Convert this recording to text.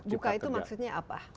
jadi maksudnya apa